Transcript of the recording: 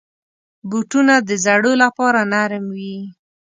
بوټونه د زړو لپاره نرم وي.